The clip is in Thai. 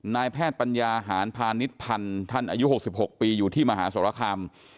นายแพทย์ปัญญาหารพาณิชพันธ์ท่านอายุ๖๖ปีอยู่ที่มหาสรคาม